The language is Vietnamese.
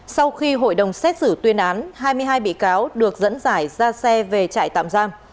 sau khi hội đồng xét xử tuyên án hai mươi hai bị cáo được dẫn giải ra xe về trại tạm giam